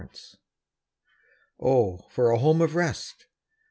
Oh, for a home of rest!